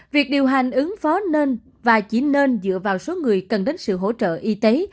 việc điều hành ứng phó nên và chỉ nên dựa vào số người cần đến sự hỗ trợ y tế